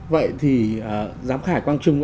vậy thì giám khảo quang trung